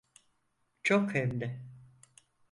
Çok hem de.